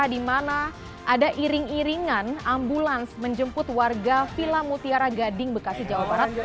di mana ada iring iringan ambulans menjemput warga villa mutiara gading bekasi jawa barat